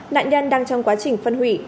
nạn nhân đang trong quá trình phân hủy